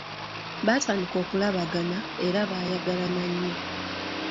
Baatandika okulabagana era baayagalana nnyo.